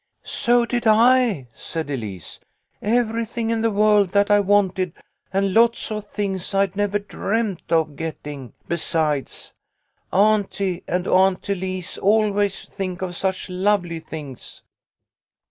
" So did I," said Elise. " Everything in the world that I wanted, and lots of things I'd never dreamed of getting, besides. Auntie and Aunt Elise always think of such lovely things."